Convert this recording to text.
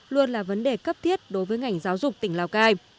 luôn là vấn đề cấp thiết đối với ngành giáo dục tỉnh lào cai